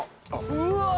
うわ！